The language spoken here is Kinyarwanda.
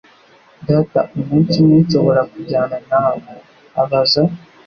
Data, umunsi umwe nshobora kujyana nawe?" abaza.